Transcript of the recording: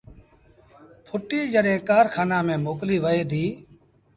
ڦُٽيٚ جڏهيݩ کآرکآݩآݩ ميݩ موڪليٚ وهي ديٚ